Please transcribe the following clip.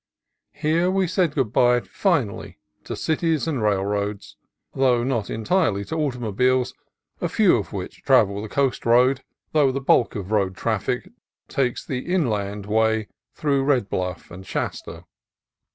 Here we said good bye finally to cities and railroads, though not entirely to automobiles, a few of which travel the coast road, though the bulk of road traffic takes the inland way through Red Bluff and Shasta.